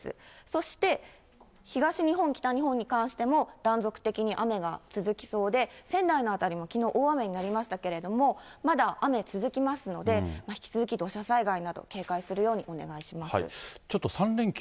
そして東日本、北日本に関しても、断続的に雨が続きそうで、仙台の辺りもきのう大雨になりましたけれども、まだ雨続きますので、引き続き土砂災害など警戒するようにお願いします。